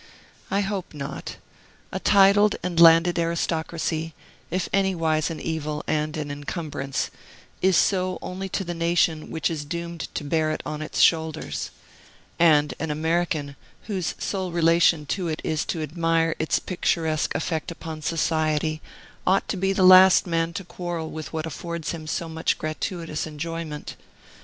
I hope not. A titled and landed aristocracy, if anywise an evil and an encumbrance, is so only to the nation which is doomed to bear it on its shoulders; and an American, whose sole relation to it is to admire its picturesque effect upon society, ought to be the last man to quarrel with what affords him so much gratuitous enjoyment.